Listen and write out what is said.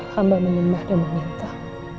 hamba menyembah dan menyantah